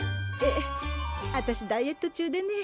えっあたしダイエット中でね